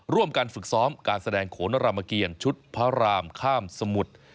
ร่วมกันฝึกซ้อมการแสดงโขนรามเกียรชุดพระรามข้ามสมุทร